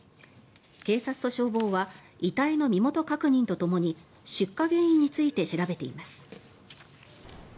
警察と消防は遺体の身元確認とともに出火原因について調べています。